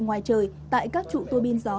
ngoài trời tại các trụ tua bin gió